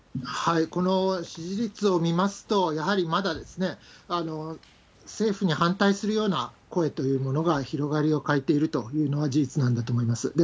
この支持率を見ますと、やはりまだ政府に反対するような声というものが広がりを欠いているというのは事実なんだと思います。